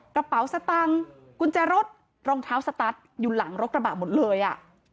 กระเป๋าสตังค์กุญแจรถรองเท้าสตัสอยู่หลังรถกระบะหมดเลยอ่ะ